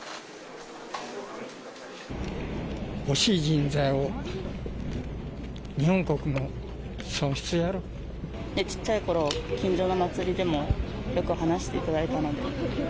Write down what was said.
惜しい人材を、日本国の損失小っちゃいころ、近所の祭りでもよく話していただいたので。